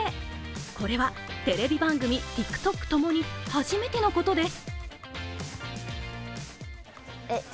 これはテレビ番組、ＴｉｋＴｏｋともに初めてのことです。